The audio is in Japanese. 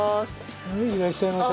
いらっしゃいませ。